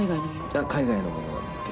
海外のものですか？